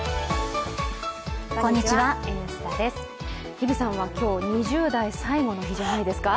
日比さんは今日、２０代最後の日じゃないですか？